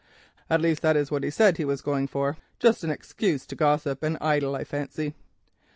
At least, that is what he said he was going for; just an excuse to gossip and idle, I fancy."